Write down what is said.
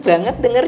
udah ke kamar dulu